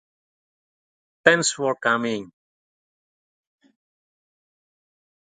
The parish includes the village of Austwick and the hamlet of Wharfe.